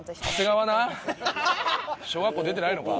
小学校出てないのか。